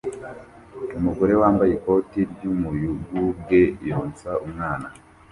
Umugore wambaye ikoti ry'umuyugubwe yonsa umwana